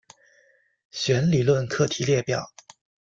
弦理论课题列表。